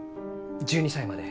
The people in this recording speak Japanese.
１２歳まで。